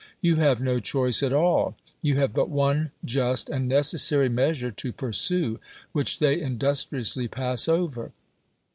You have no choice at all ; you have but one just and necessary measure to pursue, which they industriously pass over.